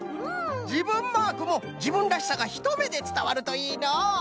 じぶんマークもじぶんらしさがひとめでつたわるといいのう。